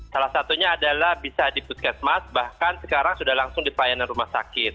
salah satunya adalah bisa di puskesmas bahkan sekarang sudah langsung di pelayanan rumah sakit